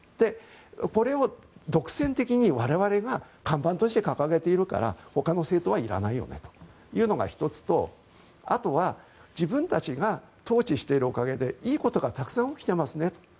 これを独占的に我々が看板として掲げているからほかの政党はいらないよねというのが１つとあとは自分たちが統治しているおかげでいいことがたくさん起きていますねと。